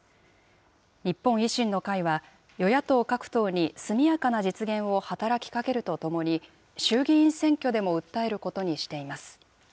日本維新の会は、与野党各党に速やかな実現を働きかけるとともに、衆議院選挙でも訴えることにしています。